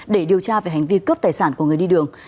để điều tra về hành vi cướp tài sản của người đi đường